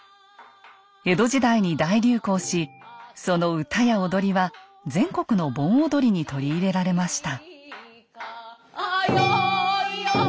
江戸時代に大流行しその歌や踊りは全国の盆踊りに取り入れられました。